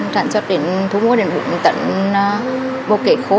sản xuất thu mua đến tận một kỷ khu